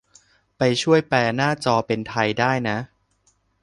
ไปช่วยแปลหน้าจอเป็นไทยได้นะ